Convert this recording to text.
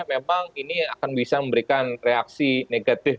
memang ini akan bisa memberikan reaksi negatif